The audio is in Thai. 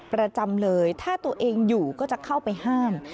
ประจำเลยถ้าตัวเองอยู่ก็จะเข้าไปห้าม